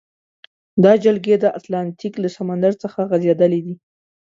دا جلګې د اتلانتیک له سمندر څخه غزیدلې دي.